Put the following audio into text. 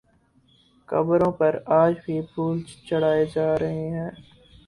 قبروں پر آج بھی پھول چڑھائے جا رہے ہیں